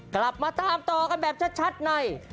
กลับมาตามต่อกันแบบชัดใน